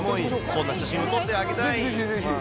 こんな写真を撮ってあげたい。